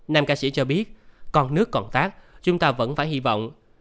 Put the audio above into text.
nam ca sĩ cho biết còn nước còn tác chúng ta vẫn phải hy vọng